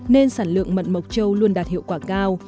nên sản lượng mận mộc châu luôn đạt hiệu quả cao